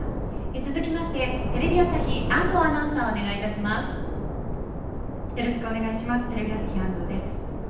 続きましてテレビ朝日、安藤アナウンサーテレビ朝日、安藤です。